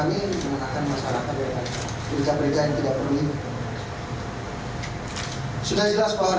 saya juga berharap kepada rekan rekan tni polri